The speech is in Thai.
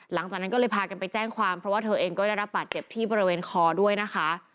หลังจากนั้นก็เลยพากันไปแจ้งความเพราะว่าเธอเองก็ได้รับบาดเจ็บที่บริเวณคอด้วยนะคะ